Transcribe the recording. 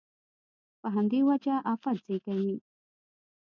په همدې وجه افت زېږوي.